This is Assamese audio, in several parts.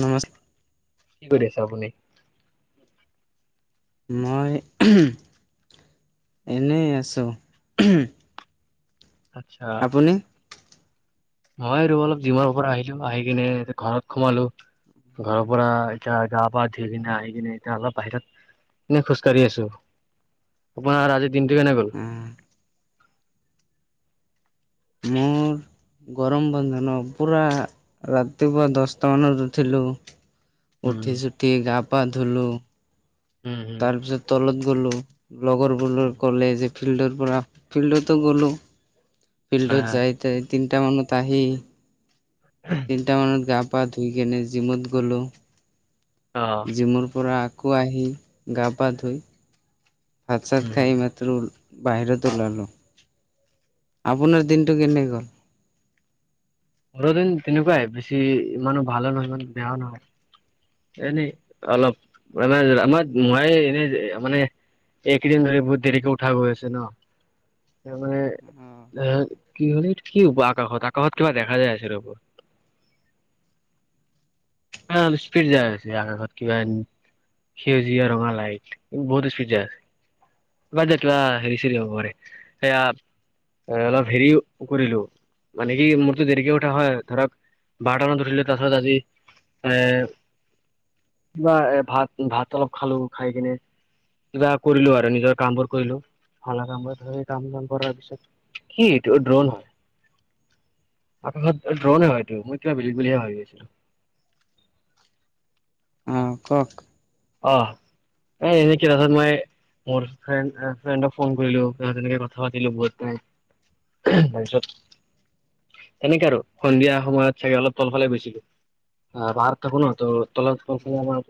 নমস্ কি কৰি আছে আপুনি। মই উম, এনে আছো। আচ্ছা। মই আৰু অলপ জিমনৰ পৰা আহিলো আহি কিনে ঘৰত সোমালো ঘৰৰ পৰা এতিয়া গা পা ধুই কিনে আহি কিনে এতিয়া অলপ বাহিৰত। এনেই খোজকাাঢ়ি আছো আপোনাৰ আজিৰ দিনটো কেনে গল। অ' মোৰ। গৰম বন্ধ ন পুৰা ৰাতিপুৱা দশটা মানত উঠিলো উম উঠি চুঠি গা পা ধুলো। উম উম তাৰ পিছত তলত গ'লো লগৰবোৰ উম ক'লে যে ফিল্ডৰ পৰা ফিল্ডতো গ'লোঁ হয় ফিল্ডত হয় যাই তাই তিন- এটা মানত আহি তিনিটা মানত গা পা ধুই কেনে জিমত গ'লো। অ জিমোৰ পৰা আকৌ আহি গা পা ধুই ভাত উম চাত উম খাই মাত্ৰ বাহিৰত অ ওলালো। আপোনাৰ দিনটো কেনেই গ'ল? মোৰ দিন তেনেকুৱাই বেছি ইমানো ভালো নহয় ইমান বেয়াও নহয়। এনেই অলপ আ আমাৰ মাই এনে মানে একদিন ধৰি বুত দেৰিকে উঠা গৈ আছে ন। ত মানে এ অ', কি হ'লেটো কি হ'ব আকাশত আকাশত কিবা দেখ- ভালে আছে ৰপৰত [inaudible] অলপ স্পিৰিট যাই আছে আত কিবা সেউজীয়া ৰঙালাইট বহুত স্পীড যায় আছে। বাজেট হেৰি চৰি হবৰে সেয়া। এ অলপ হেৰি কৰিলো মানে কি মোৰ। টো দেৰিকে উঠা হয় ধৰক বাৰটা মানত উঠিলে তাৰ পিছত আজি এ বা এ ভাত ভাত অলপ খালো খাই কিনে কিবা কৰিলো আৰু নিজৰ কাম বোৰ কৰিলো ভালা কামবোৰ ধৰি কাম বন কৰাৰ পিছত কি এইটো ড্ৰোন হয়। [inaudible] আকাশত ড্ৰনে হয়টো মই কিবা বিল বহে ভাবি আছিলো। হ ক অ এ এনেকে কিতাছত মই মোৰ ফ্ৰেন্দ ফ্ৰেন্দক ফোন কৰিলো তা তেনেকে কথা পাতিলো। তাৰপিছত তেনেকে আৰু সন্ধিয়া সময়ত চাগে অলপ তলফালে গৈছিলো। পাহাৰ থাকো ন ত তলত সৌফালে আমাৰ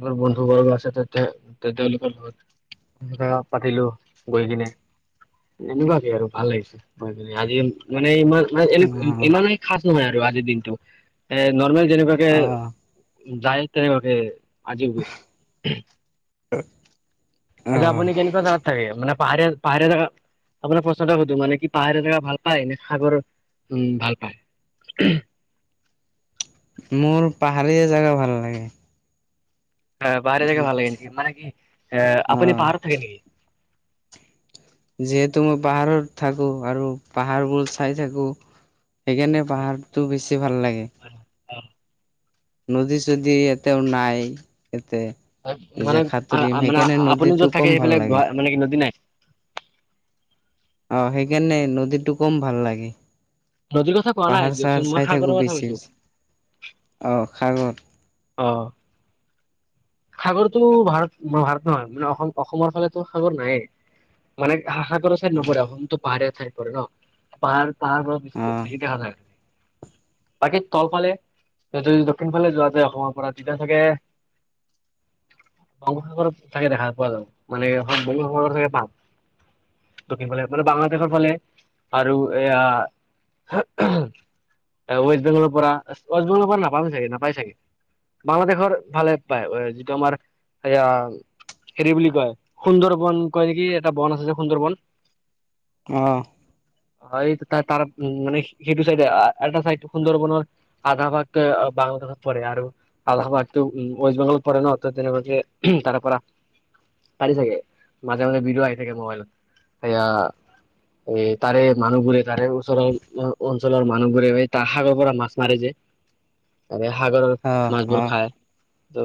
বোৰ বন্ধু বৰ্গ আছে তাতে তেতে তেওঁলোকৰ ঘৰত বা পাতিলো গৈ কিনে এনেকুৱাকে আৰু ভাল লাগিছে মই মান আজি মানে ইমান এনে অ', ইমান খাছ নহয় আৰু আজিৰ দিনটো এ নৰ্মেল যেনেকুৱাকে অ', যায় তেনেকুৱাকে আজিও গৈছে। তেতিয়া অ', আপুনি কেনেকুৱা জোগাত থাকে মানে পাহাৰে পাহাৰে জেগা আপোনাৰ প্ৰশ্ন এটা সুধো মানে কি পাহাৰে থকা ভাল পায় নে সাগৰ উম ভাল পায়? [unintelligible] মোৰ পাহাৰীয়া জোগা ভাল লাগে। আহ পাহাৰীয়া জেগে ভাল লাগে নেকি? মান কি আহ আপুনি অ', পাহাৰত থাকে নেকি? যিহেতু মই পাহাৰত থাকো আৰু পাহাৰবোৰ চাই থাকো। সেইকাৰণে পাহাৰতটো বেছি ভাল লাগে। অ নদী চদী এতেও নাই। ইতে এই যে হাতুৰিম আ- মানে সেইকাৰণে আপুনি য'ত নদীতটো থাকে কম ভাল সেইফালে গুৱা লাগে। মানে কি নদী নাই অ সেইকাৰণে নদীটো কম ভাল লাগে। নদীৰ কথা কোৱা নাই পাহাৰ দিয়কচোন চাহাৰ মই চাই সাগৰৰ থাকো কথা বেছি কৈছো অহ সাগৰ অহ সাগৰতটো ভাৰত ভাৰত নহয় মানে অসম অসমৰ ফালেতো সাগৰ নায়ে। মানে হাহাক কৰা চাইড অ', নপৰে অসমটো পাহাৰীয়া ঠাইত পৰে ন, পাহাৰ পাহাৰ পৰা বেছি অ', বেছি দেখা যায়। বাকী তলফালে যদি দক্ষিণ ফালে যোৱা যায় তোমাৰ পৰা তিতা থাকে। বঙ্গোপসাগৰত থাকে দেখা পোৱা যাব মানে বঙ্গোপসাগৰ থাকে পাম দক্ষিণ ফালে মানে বাংলাদেশৰ ফালে আৰু এয়া ৱেষ্ট বেংগলৰ পৰা ৱেষ্ট বেংগলৰ পৰা নাপাম চাগে নাপায় চাগে বাংলাদেশৰ ভালে পায় যিটো আমাৰ এয়া। হেৰি বুলি কয় সুন্দৰ বন কয় নেকি এটা বন আছে যে সুন্দৰ বন। আহ। হয় তাৰ উ মান সেইটো চাইড এটা চাইড সুন্দৰ বনৰ আধা ভাগ বাংলা দেশত পৰে আৰু এলাহবাদ ৱেষ্ট বেংগলত পৰে ন অ তেনেকুৱাকে তাৰে পৰা পাৰি থাগে মাজে মাজে ভিডিঅ আহি থাকে মোবাইলত সয়া এ তাৰে মানুহবোৰে তাৰে ওচৰৰ অঞ্চলৰ মানুহবোৰে তাৰ সাগৰ পৰা মাছ মাৰে যায় [unintelligible] আৰু সাগৰৰ অ মাছবোৰ অ খায় ত'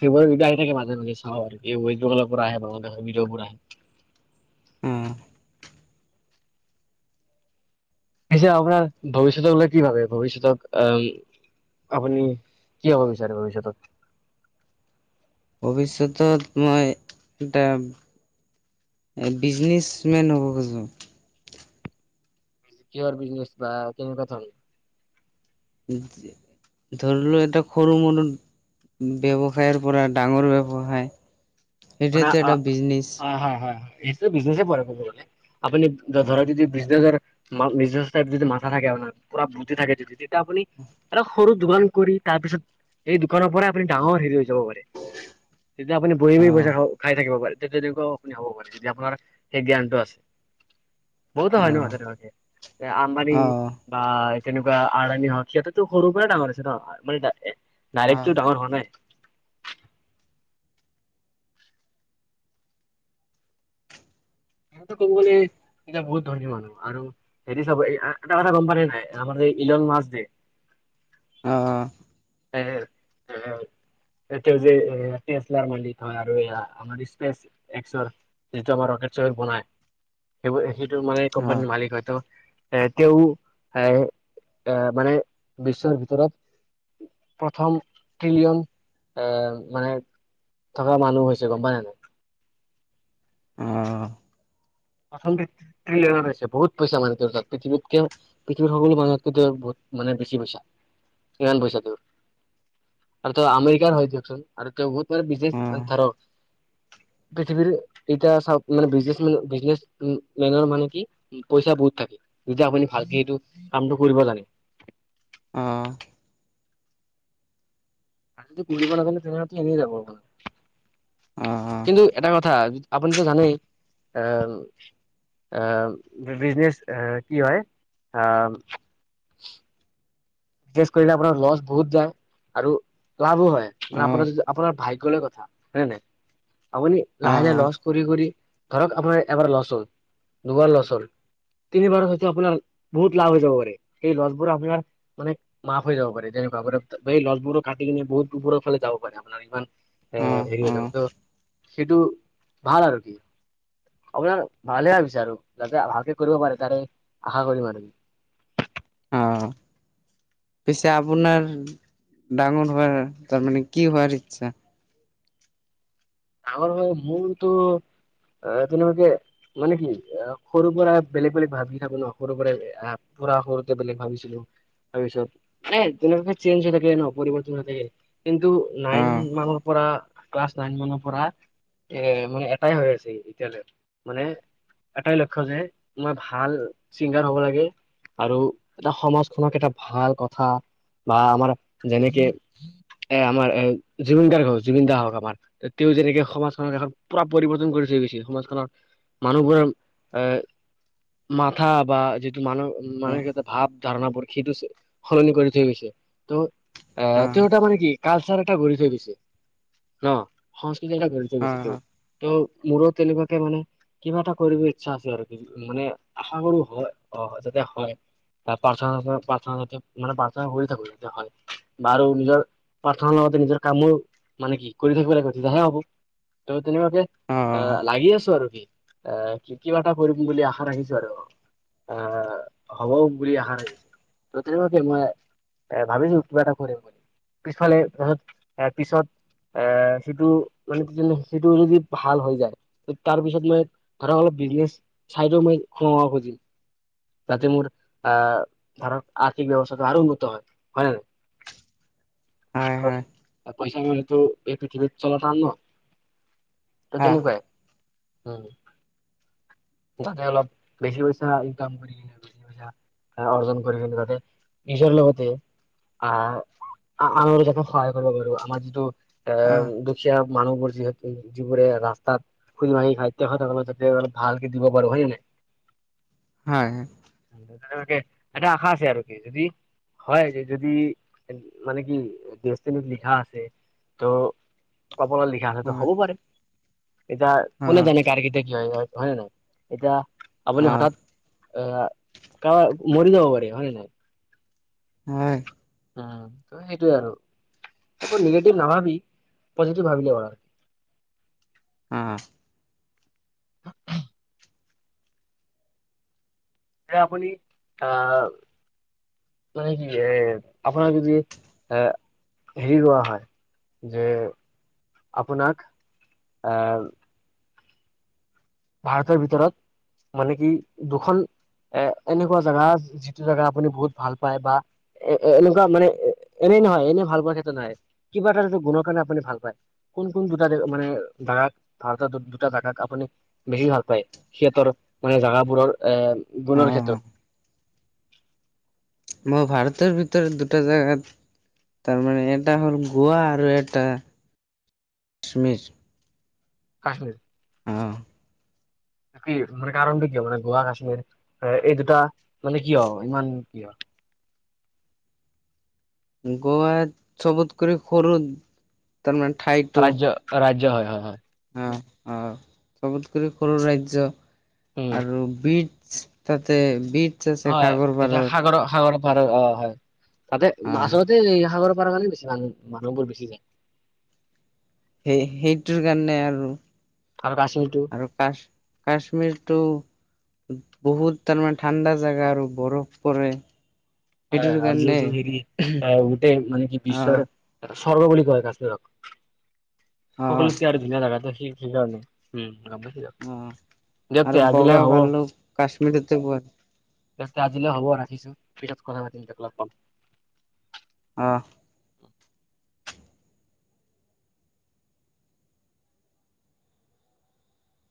ফেব্ৰুৱাৰী বি আহি থাকে মাজে মাজে চাওঁ আৰু ৱেষ্ট বেংলৰ পৰা আহে বাৰ ভিডিঅ বোৰ আহে। আহ পছে আপোনাৰ ভৱিষ্যতক বলে কি ভাবে ভৱিষ্যতক আহ আপুনি কি হব বিচাৰে ভৱিষ্যতত ভৱিষ্যতত মই এটা এ বিজনেচ মেন হ'ব খোজোঁ কিহৰ বিজনেছ বা কেনেকুৱা ধৰ ধৰিলো এটা সৰু মৰু ব্যৱসায়ৰ পৰা ডাঙৰ ব্যৱসায় সেইটোৱেটো এটা বিজনেছ। সেইটো বিজনে পলে আপুনি ধৰক যদি বিজনেচ নিজস্ব যদি মাথা থাকে পুৰা বুটি থাকে যদি তেতিয়া আপুনি এটা সৰু দোকান কৰি তাৰ পিছত এই দোকানৰ পৰাই আপুনি ডাঙৰ হেৰি হৈ যাব পাৰে। তেতিয়া আপুনি বহিমি বৈচ খাই থাকিব পাৰে তেতিয়া তেনেকুৱাও আপুনি হ'ব পাৰে যদি আপোনাৰ সেই জ্ঞানটো আছে বহুতো হয় ন মাজে মাজে আম্বানি বা তেনেকুৱা আৰাণী হওক সিহঁতেতো সৰুৰ পৰাই ডাঙৰ হৈছে ন মানে ডাইৰেক্ট টো ডাঙৰ হোৱা নাই। এটো কমকনে এতিয়া বহুত ধণী মানুহ আৰু হেৰি চব এটা কথা গম পাৱ নে নাই আমাৰ যে ইলন মাছ যে আহ হ হ এটো যেলাৰ মালিক হয় আৰুয়া আমাৰ স্পেচ এক্ৰ যিটো আমাৰ ৰকেট চকেট বনাই সেইব সেইটো মানে কোম্পানীৰ মালিক হয়তো এ তেওঁ এ এ মানে বিশ্বৰ ভিতৰত প্ৰথম ট্ৰিলিয়ন এ মানে থকা মানুহ হৈছে গম পাই নে নাই আহ প্ৰথমছে বহুত পইচা মানে তোৰ তাত পৃথিৱীতক পৃথিৱীৰ সকলো মানুহতক বহুত মানে বেছি পইচা কিমান পইচাটোৰ আৰু ত আমেৰিকাৰ হয় দেয়ওকচোন আৰু ত মানে ধৰ পৃথিৱীৰ এতিয়া চাওক মানে বিজনেছ মেন উ মেনৰ মানে কি পইচা বহুত থাকে যেতিয়া আপুনি ভালকে এইটো কামটো কৰিব জানে আহ আৰু য কৰিবি ন তেনে এনে যাব কিন্তু এটা কথা আপুনিটো জানেই আ আহ বিজনেছ কি হয় আহ। [inaudible] কেচ কৰিলে আপোনাৰ লছ বহুত যায় আৰু লাভো হয় মানে আপোনাৰ যদি আপোনাৰ ভাই গ্যৰ কথা হয় নাই আপুনি লাহে লাহ লছ কৰি কৰি ধৰক আপোনাৰ এবাৰ লচন দুবাৰ লচন তিনিবাৰত হয়তো আপোনাৰ বহুত লাভ হৈ যাব পাৰে সেই লছবোৰ আপোনাৰ মানে মাফ হৈ যাব পাৰে তেনেকুৱা কৰে এই লছবোৰক কাটি কিনে বহুত ওপৰৰ ফালে যাব পাৰে আপোনাৰ ইমান এ হেৰি যাব ত সেইটো ভাল আৰু কি আপোনাক ভালে ভাবিচাৰো আৰু যাতে ভালকে কৰিব পাৰে তাৰে আশা কৰিম আমি [unintelligible] অ পিছে আপোনাৰ ডাঙৰ হোৱাৰ তাৰমানে কি হোৱাৰ ইচ্ছা আমাৰ ভাগৰ মূলটো আহ তেনেকুৱাকে মানে কি সৰুৰ পৰা বেলেগ বেলেগ ভাবি থাকো ন সৰুৰ পৰাই আহ পুৰা সৰুতে বুলি ভাবিছিলো তাৰপিছত মানে তেনেক চেঞ্জ হৈ থাকে ন পৰিৱৰ্তন হৈ থাকে কিন্তু নাইন হয় মানৰ পৰা ক্লাছ নাইন মানৰ পৰা এ মানে এটাই হৈ আছে এতিয়ালৈ মানে এটাই লক্ষ্য যে মই ভাল চিংগাৰ হব লাগে আৰু এটা সমাজখনক এটা ভাল কথা বা আমাৰ যেনেকে এ আমাৰ এ জুবিন গাৰ্গ হওক জুবিনদাৰ হওক আমাৰ তেওঁ যেনেকে সমাজখনক এখন পুৰা পৰিৱৰ্তন কৰি থৈ গৈছে সমাজখনত মানুহবোৰ আহ মাথা বা যিটো মান মানসিক ভাৱ ধাৰণাবোৰ সেইটো সলনি কৰি থৈ গৈছে ত এ হয় তেওঁ এটা মানে কি কালচাৰ এটা গঢ়ি থৈ গৈছে ন সংসকৃতি এটা ধাৰ্য বেছি হয় তেওঁ ত [inaudible] মোৰো তেনেকুৱাকে মানে কিবা এটা কৰিব ইচ্ছা আছে আৰু মানে আশা কৰো হয় অ যাতে হয় প্ৰাৰ্থনা প্ৰাৰ্থনা যতে মানে প্ৰাৰ্থনা কৰি থাকো যতে হয় বাৰু নিজৰ প্ৰাৰ্থনাৰ লগতে নিজৰ কামো মানে কি কৰি থাকিব লাগে তেতিয়াহে হব ত তেনেকুৱাকে আহ লাগি আছো আৰু কি এ কি কিবা এটা কৰিম বুলি আশা ৰাখিছো আৰু আ সম বুলি আশা ৰাখিলোঁ ত তেনেকুৱাতে মই ভাবিছো কিবা এটা কৰিম বুলি পিছফালে তাৰপাছত পিছত এ সিটো মানে কি জানে সেইটো যদি ভাল হৈ যায় তাৰপিছত মই ধৰক অলপ বিজনেছ চাইডও মই সোমাব খুজিম যাতে মোৰ আহ ধৰক আৰ্থিক ব্যৱস্থা আৰু উন্নত হয় ন নাই হয় কাৰণ পইচা মানেটো এই পৃথিৱীৰ চলা তান ন তেনেকুৱাই উ তাতে অলপ বেছি পইচা ইনকাম কৰি দিলে বেছি পইচা অৰ্জন কৰি কিন্তু তাতে নিজৰ লগতে আহ আনৰ যাতে সহায় কৰিব পাৰো আমাৰ যিটো আহ দুখীয়া মানুহবোৰ যিহেতু যিবোৰে ৰাস্তাত ফুৰি মাৰি খাই তেখেতসকল যাতে অলপ ভাল দিব পাৰো হয় নে হয় হয় নাই এটা আশা আছে আৰু কি যদি হয় যে যদি মানে কি দেচতিনোট লিখা আছে [unintelligible] তো কপত লিখা আছো টো হ'ব পাৰে এতিয়া হয় কোনে জানে কাৰ কেতিয়া কি হয় হয় নে নহয় এতিয়া আপুনি হয় হঠাৎ আহ কাৰ মৰি যাব পাৰে হয় নে নাই হয় উম ত সেইটোৱে আৰু একবোৰ নিগেটিভ নাভাবি পজিটিভ ভাবিলে হয় অ যে আপুনি আহ মানে কি এ আপোনাৰ যদি আহ হেৰি লোৱা হয় যে আপোনাক আহ ভাৰতৰ ভিতৰত মানে কি দুখন এ এনেকুৱা জেগা যিটো জেগা আপুনি বহুত ভাল পায় বা এ এনেকুৱা মানে এনেই নহয় এনে ভাল পোৱাৰ ক্ষেত্ৰত নহয় কিবা এটাটো গুণৰ কাৰণে আপুনি ভাল পায় কোন কোন দুটা মানে দোক ভাৰতৰ দুটা দোক আপুনি বেছি ভাল পায় সিহঁতৰ মানে জোগাবোৰৰ এ অ গুণৰ ক্ষেত্ৰত মই ভাৰতৰ ভিতৰত দুটা জেগাত তাৰমানে এটা হ'ল গোৱা আৰু এটা কাশ্মীৰ কশ্মীৰ আহ বাকি মানে কাৰণটো কিয় মানে গোৱাত কাশ্মীৰ এ এই দুটা মানে কিয় ইমান কিয় [inaudible] গুৱাত চবত কৰি সৰু তাৰমানে ঠাইটো ৰাজ্য ৰাজ্য হয় হয় হয় অ অ চবতকৰি সৰু ৰাজ্য উম আৰু বিট তাতে বিট হয় তেতিয়া সাগৰ সাগৰ পাৰ অ হয় তাতে অ আচলতে সাগৰ বাৰ মে বছ মানুহবোৰ বেছি যায় [unintelligible] সেই সেইটোৰ কাৰণে আৰু আৰু কাশ্মীৰটো আৰু কাচ কাশ্মীৰটো বহুত তাৰমানে ঠাণ্ডা জাগা আৰু বৰফ পৰে সেইটোৰ আৰু কাৰণে যিহেতু হেৰি এ গোটেই মানে কি বিশ্বৰ অ স্বৰ্গ বুলি কয় কাশ্মীৰক সকলোতকে আৰু ধুনীয়া জাগাটো সেই সেইকাৰণে উম গম পাইছো দিয়ক অ দিয়ক তে আৰু আজিলে বগা হ'ব ভালো কাশ্মীৰতে পুৱা তে আজিলৈ হ'ব ৰাখিছো পিছত কথা পাতিম অ লগ পাম আহ